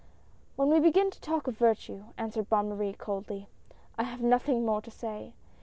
" When we begin to talk of virtue," answered Bonne Marie coldly, " I have nothing more to say.